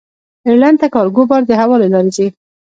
ایرلنډ ته کارګو بار د هوا له لارې ځي.